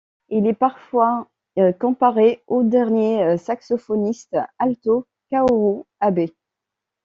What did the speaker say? Il est parfois comparé au dernier saxophoniste alto, Kaoru Abe.